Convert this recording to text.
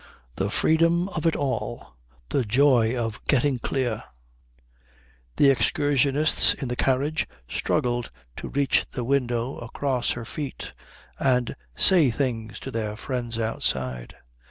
The freedom of it! The joy of getting clear! The excursionists in the carriage struggled to reach the window across her feet and say things to their friends outside.